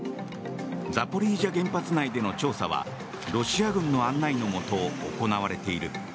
ザポリージャ原発内での調査はロシア軍の案内のもと行われている。